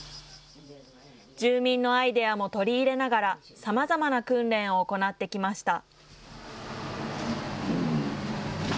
住民のアイデアも取り入れながら、さまざまな訓練を行ってきました。